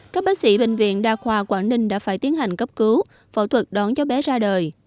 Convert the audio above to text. các bác sĩ bệnh viện đa khoa quảng ninh đã phải tiến hành cấp cứu phẫu thuật đón cháu bé ra đời